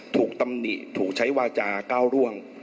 ตำหนิถูกใช้วาจาก้าวร่วง